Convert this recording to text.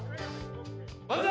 万歳！